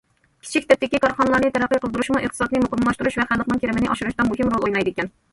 كىچىك تىپتىكى كارخانىلارنى تەرەققىي قىلدۇرۇشمۇ ئىقتىسادنى مۇقىملاشتۇرۇش ۋە خەلقنىڭ كىرىمىنى ئاشۇرۇشتا مۇھىم رول ئوينايدىكەن.